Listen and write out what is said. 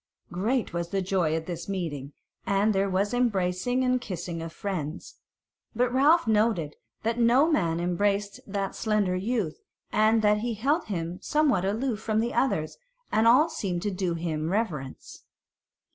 Great was the joy at this meeting, and there was embracing and kissing of friends: but Ralph noted that no man embraced that slender youth, and that he held him somewhat aloof from the others, and all seemed to do him reverence.